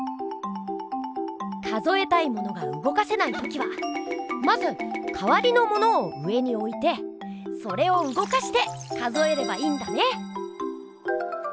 数えたいものがうごかせない時はまずかわりのものを上においてそれをうごかして数えればいいんだね！